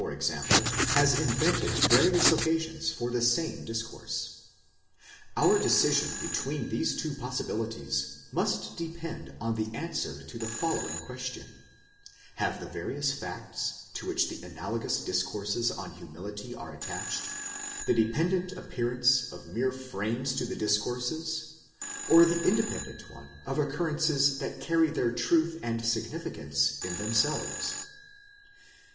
e. has invented various occasions for the same discourse. Our decision between these two possibilities must depend on the answer to the following question: Have the various facts, to which the analogous discourses on humility are attached, the dependent ap pearance of mere frames to the discourses, or the independent one of occur rences that carry their truth and significance in themselves